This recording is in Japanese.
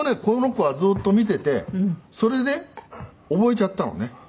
この子はずっと見ててそれで覚えちゃったのね。